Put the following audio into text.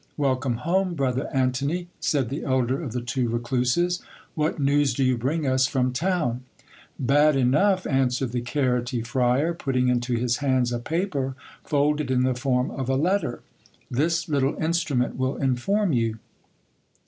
Welcome home, brother Antony, said the elder of the two recluses ; what news do you bring us from town ? Bad enough, answered the carroty friar, putting into his hands a paper, folded :n the form of a letter ; this little instrument will inform you.